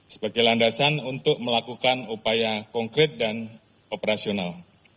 sebagai landasan untuk melakukan upaya konkret dan operasional